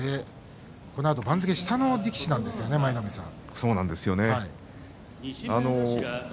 このあと番付下の力士なんですよね、舞の海さん。